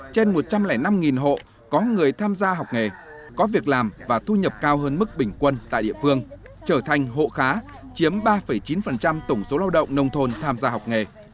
trên một trăm linh năm hộ có người tham gia học nghề có việc làm và thu nhập cao hơn mức bình quân tại địa phương trở thành hộ khá chiếm ba chín tổng số lao động nông thôn tham gia học nghề